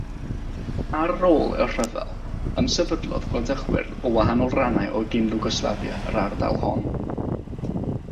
Ar ôl y rhyfel, ymsefydlodd gwladychwyr o wahanol rannau o gyn-Iwgoslafia yr ardal hon.